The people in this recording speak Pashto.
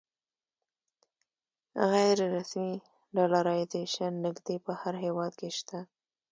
غیر رسمي ډالرایزیشن نږدې په هر هېواد کې شته.